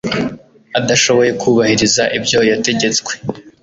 adashoboye kubahiriza ibyo yategetswe